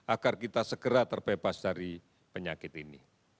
agar kita segera terbebas dari penyakit ini